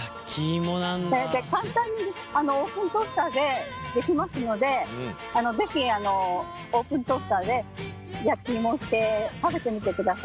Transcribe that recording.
簡単にオーブントースターでできますので是非オーブントースターで焼き芋をして食べてみてください。